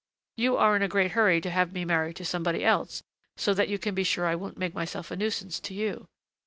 "You are in a great hurry to have me married to somebody else, so that you can be sure I won't make myself a nuisance to you."